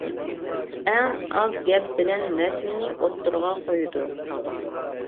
ئەڭ ئاز گەپ بىلەن مەسىلىنى ئوتتۇرىغا قويىدۇ.